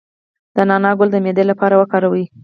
د نعناع ګل د معدې لپاره وکاروئ